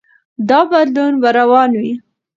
دا بدلون به روان وي.